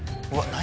何？